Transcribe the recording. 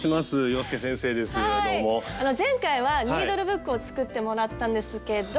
前回は「ニードルブック」を作ってもらったんですけど。